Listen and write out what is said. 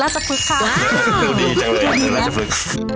แล้วคุณไก่มีชื่อ